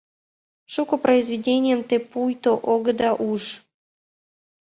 Шуко произведенийым те пуйто огыда уж.